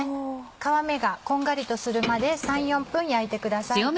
皮目がこんがりとするまで３４分焼いてください。